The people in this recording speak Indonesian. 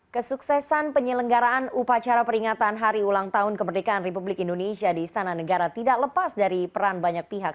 kesuksesan penyelenggaraan upacara peringatan hari ulang tahun kemerdekaan republik indonesia di istana negara tidak lepas dari peran banyak pihak